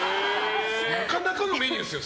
なかなかのメニューですよ。